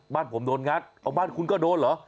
บ้านผมโดนงัดเอาบ้านคุณก็โดนเหรอ